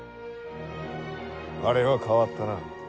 あれは変わったな。